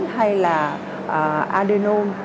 hay là adenome